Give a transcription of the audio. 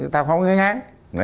tao không nghe ngán